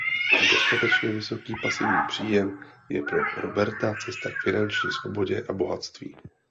Dostatečně vysoký pasivní příjem je pro Roberta cesta k finanční svobodě a bohatství.